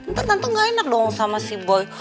ntar tante gak enak dong sama si boy